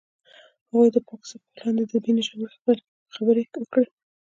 هغوی د پاک څپو لاندې د مینې ژورې خبرې وکړې.